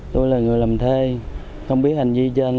tôi là người làm thuê không biết hành vi trên là phạm tội